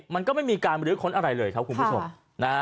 มันก็ไม่มีการบริษัทอะไรเลยครับคุณผู้ชม